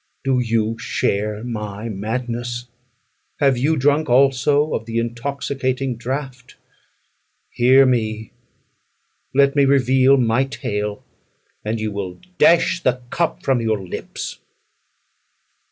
Do you share my madness? Have you drank also of the intoxicating draught? Hear me, let me reveal my tale, and you will dash the cup from your lips!"